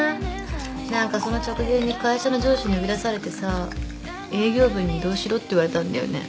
何かその直前に会社の上司に呼び出されてさ営業部に異動しろって言われたんだよね。